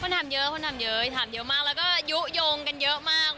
คุณถามเยอะถามเยอะมากแล้วก็ยุโยงกันเยอะมาก